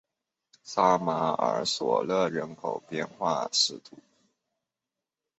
萨马尔索勒人口变化图示